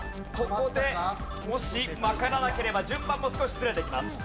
ここでもしわからなければ順番も少しずれていきます。